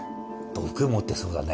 毒持ってそうだね。